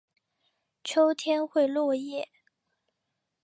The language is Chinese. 秋天会落叶。